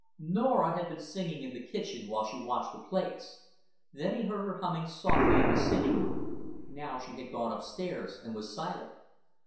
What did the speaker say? Norah had been singing in the kitchen while she washed the plates; then he had heard her humming softly in the sitting room; now she had gone up stairs and was silent.